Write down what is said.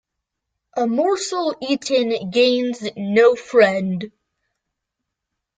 A morsel eaten gains no friend.